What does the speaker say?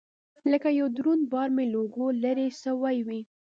لكه يو دروند بار مې له اوږو لرې سوى وي.